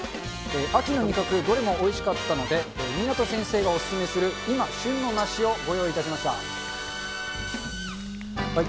秋の味覚、どれもおいしかったので、湊先生がお勧めする今、旬の梨をご用意いたしました。